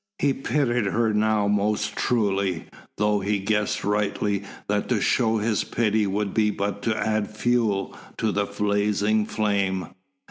He pitied her now most truly, though he guessed rightly that to show his pity would be but to add fuel to the blazing flame.